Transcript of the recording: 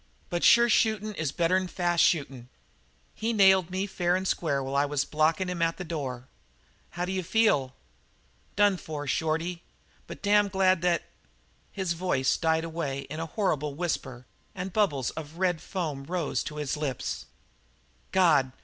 But sure shootin' is better'n fast shootin'. He nailed me fair and square while I was blockin' him at the door." "How d'you feel?" "Done for, Shorty, but damned glad that " His voice died away in a horrible whisper and bubbles of red foam rose to his lips. "God!"